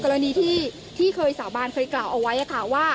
กรณีที่เคยสาบานเคยกล่าวเอาไว้ค่ะว่า